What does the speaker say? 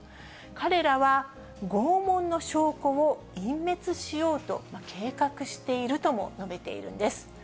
彼らは拷問の証拠を隠滅しようと計画しているとも述べているんです。